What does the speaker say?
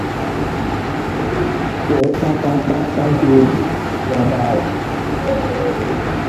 wee kpakwa mkpamkpa dị egwù n'ebe ahụ.